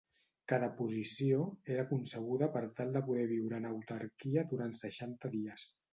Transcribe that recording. Cada posició era concebuda per tal de poder viure en autarquia durant seixanta dies.